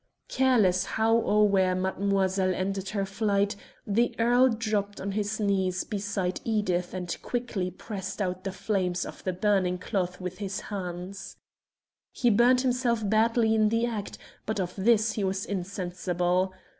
_] Careless how or where Mademoiselle ended her flight, the earl dropped on his knees beside Edith and quickly pressed out the flames of the burning cloth with his hands. He burnt himself badly in the act, but of this he was insensible.